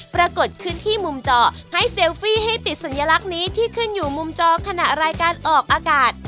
ปรากฏขึ้นที่มุมจอให้เซลฟี่ให้ติดสัญลักษณ์นี้ที่ขึ้นอยู่มุมจอขณะรายการออกอากาศ